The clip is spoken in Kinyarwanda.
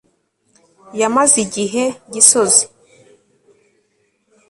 yamaze igihe gisozi